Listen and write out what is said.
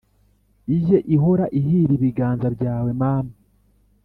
ijye ihora ihira ibiganza byawe mama